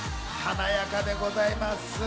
華やかでございます。